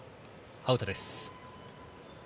アウトです。